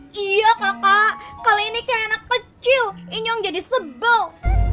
iya kakak kali ini kayak anak kecil inyong jadi sebel